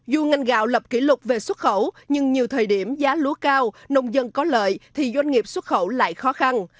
dù ngành gạo lập kỷ lục về xuất khẩu nhưng nhiều thời điểm giá lúa cao nông dân có lợi thì doanh nghiệp xuất khẩu lại khó khăn